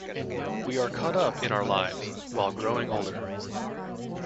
We are caught up in our lives while growing older.